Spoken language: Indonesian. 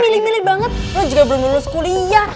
kenapa sih lo milih milih banget lo juga belum lulus kuliah